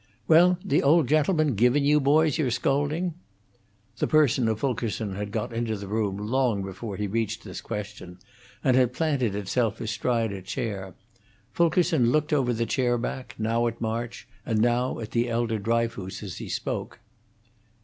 Well, the old gentleman given you boys your scolding?" The person of Fulkerson had got into the room long before he reached this question, and had planted itself astride a chair. Fulkerson looked over the chairback, now at March, and now at the elder Dryfoos as he spoke.